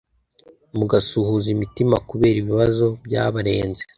mugasuhuza imitima kubera ibibazo byabarenze